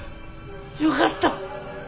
よかった。